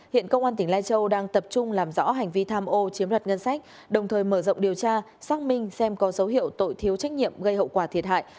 hiện công an tỉnh lai châu đang tập trung làm rõ hành vi tham ô chiếm đoạt ngân sách đồng thời mở rộng điều tra xác minh xem có dấu hiệu tội thiếu trách nhiệm gây hậu quả thiệt hại